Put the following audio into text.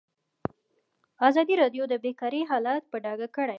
ازادي راډیو د بیکاري حالت په ډاګه کړی.